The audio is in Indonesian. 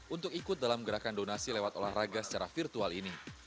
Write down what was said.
untuk ikut dalam gerakan donasi lewat olahraga secara virtual ini